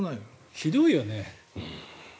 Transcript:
ひどいよね。